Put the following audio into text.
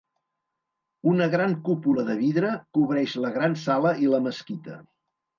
Una gran cúpula de vidre cobreix la gran sala i la mesquita.